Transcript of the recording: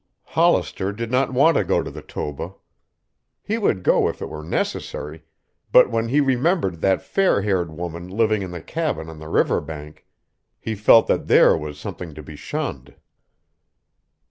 Hollister did not want to go to the Toba. He would go if it were necessary, but when he remembered that fair haired woman living in the cabin on the river bank, he felt that there was something to be shunned.